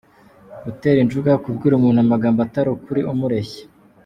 Gutera injuga: kubwira umuntu amagambo atari ukuri , umureshya.